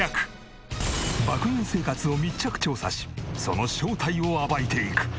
爆食い生活を密着調査しその正体を暴いていく。